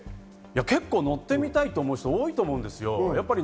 結構、乗ってみたいと思う人、多いと思うんですよ。